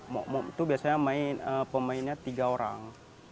mop mop itu biasanya pemainnya tiga orang